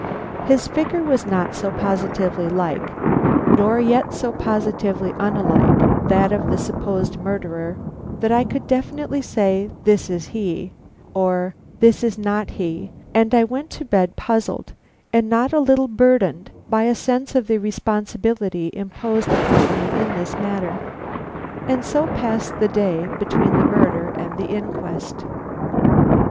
His figure was not so positively like, nor yet so positively unlike, that of the supposed murderer that I could definitely say, "This is he," or, "This is not he," and I went to bed puzzled, and not a little burdened by a sense of the responsibility imposed upon me in this matter. And so passed the day between the murder and the inquest.